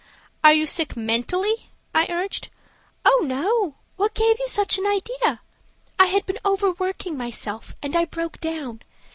"Are you sick mentally?" I urged. "Oh, no; what gave you such an idea? I had been overworking myself, and I broke down.